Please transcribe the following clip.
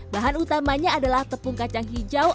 bahan utamanya adalah tepung kacang hijau